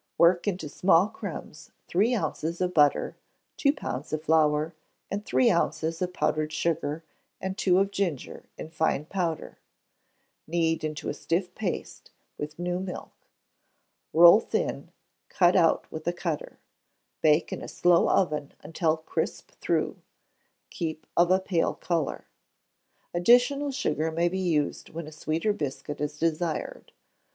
Work into small crumbs three ounces of butter, two pounds of flour, and three ounces of powdered sugar and two of ginger, in fine powder; knead into a stiff paste, with new milk; roll thin, cut out with a cutter: bake in a slow oven until crisp through; keep of a pale colour. Additional sugar may be used when a sweeter biscuit is desired.